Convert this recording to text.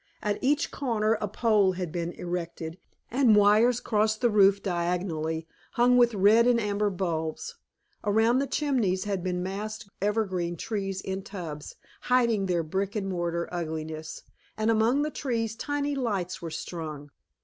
At each corner a pole had been erected, and wires crossed the roof diagonally, hung with red and amber bulbs. Around the chimneys had been massed evergreen trees in tubs, hiding their brick and mortar ugliness, and among the trees tiny lights were strung.